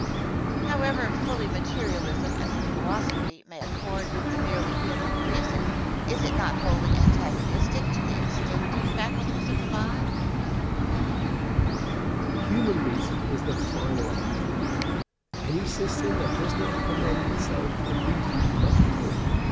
Question. However fully materialism, as a philosophy, may accord with the merely human reason, is it not wholly antagonistic to the instinctive faculties of the mind? Answer. Human reason is the final arbiter. Any system that does not commend itself to the reason must fall.